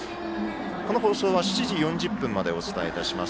この放送は７時４０分までお伝えいたします。